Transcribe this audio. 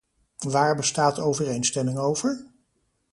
Waar bestaat overeenstemming over?